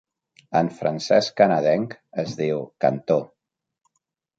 En francès canadenc, es diu "cantó".